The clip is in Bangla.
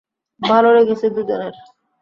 ভালো লেগেছে দুজনের।